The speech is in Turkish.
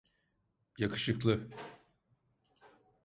Yakışıklı.